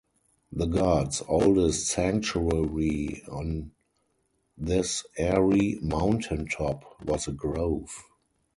The god's oldest sanctuary on this airy mountaintop was a grove.